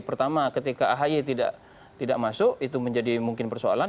pertama ketika ahy tidak masuk itu menjadi mungkin persoalan